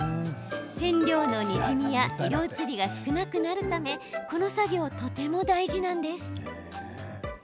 染料のにじみや色移りが少なくなるためこの作業とても大事なんです。